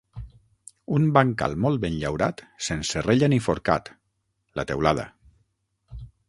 Un bancal molt ben llaurat, sense rella ni forcat: la teulada.